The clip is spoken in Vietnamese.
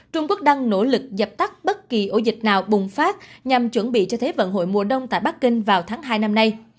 trung quốc đang nỗ lực dập tắt bất kỳ ổ dịch nào bùng phát nhằm chuẩn bị cho thế vận hội mùa đông tại bắc kinh vào tháng hai năm nay